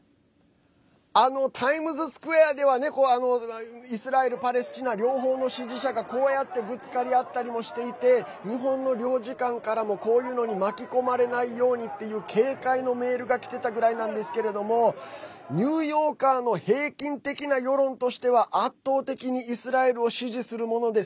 タイムズスクエアではイスラエル、パレスチナ両方の支持者がこのようにぶつかり合ったりもしてて日本の領事館からもこういうのに巻き込まれないようにっていう警戒のメールがきてたぐらいなんですけれどもニューヨーカーの平均的な世論としては圧倒的にイスラエルを支持するものです。